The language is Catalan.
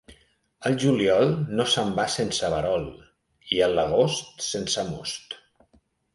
El juliol no se'n va sense verol, i l'agost, sense most.